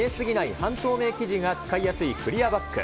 半透明生地が使いやすいクリアバッグ。